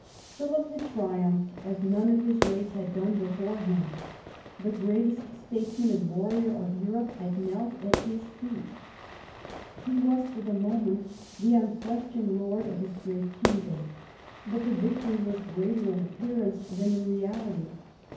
Philip had triumphed as none of his race had done 44 PHILIP AUGUSTUS chap. before him. The greatest statesman and warrior of Europe had knelt at his feet. He was for the moment the unquestioned lord of his great kingdom. But the victory was greater in appearance than in reality.